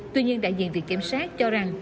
tuy nhiên đại diện việc kiểm soát cho rằng